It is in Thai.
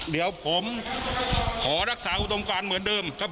เดี๋ยวผมขอรักษาอุดมการเหมือนเดิมครับ